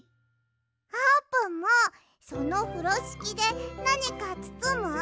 あーぷんもそのふろしきでなにかつつむ？